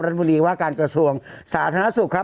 อรัตนมดิการกับสวงสาธานสุขครับ